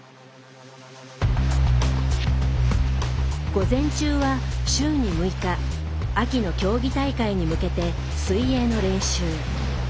午前中は週に６日秋の競技大会に向けて水泳の練習。